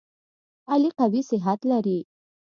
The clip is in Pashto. علي قوي صحت لري.